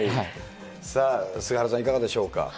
さあ、菅原さん、いかがでしょうか。